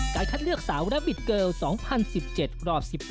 การคัดเลือกสาวและบิ๊กเกิร์ล๒๐๑๗รอบ๑๘ปี